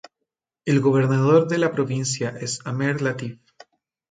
El gobernador de la provincia es Amer Latif.